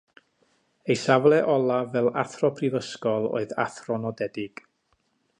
Ei safle olaf fel athro prifysgol oedd Athro Nodedig.